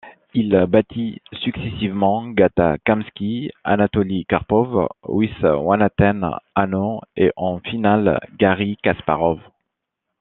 Il battit successivement Gata Kamsky, Anatoli Karpov, Viswanathan Anand, et en finale Garry Kasparov.